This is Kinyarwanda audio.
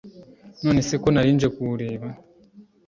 Nonese ko nari nje kuwureba.